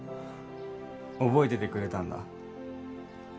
覚えててくれたんだ？